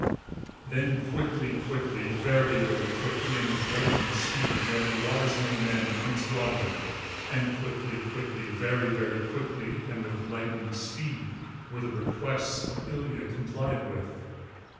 Then quickly, quickly, very very quickly, and with lightning speed, ran the wise young man to Prince Vladimir, and quickly, quickly, very very quickly, and with lightning speed, were the "requests" of Ilya complied with.